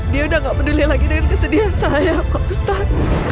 dia udah gak peduli lagi dengan kesedihan saya pak ustadz